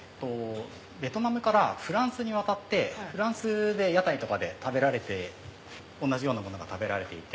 ベトナムからフランスに渡ってフランスで屋台とかで同じようなものが食べられていて。